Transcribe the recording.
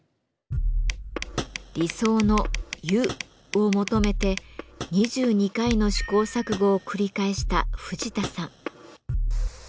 理想の「ゆ」を求めて２２回の試行錯誤を繰り返した藤田さん。